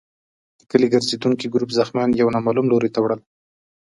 د کلي ګرزېدونکي ګروپ زخمیان يو نامعلوم لور ته وړل.